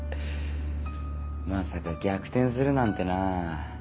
まさか逆転するなんてなぁ。